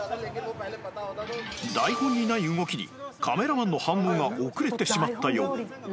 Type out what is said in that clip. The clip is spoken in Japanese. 台本にない動きにカメラマンの反応が遅れてしまったよう